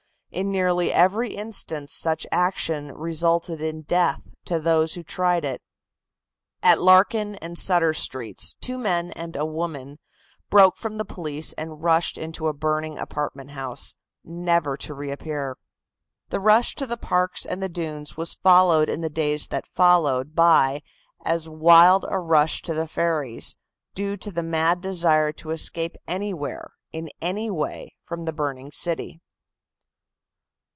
In nearly every instance such action resulted in death to those who tried it. At Larkin and Sutter Streets, two men and a woman broke from the police and rushed into a burning apartment house, never to reappear. The rush to the parks and the dunes was followed in the days that followed by as wild a rush to the ferries, due to the mad desire to escape anywhere, in any way, from the burning city.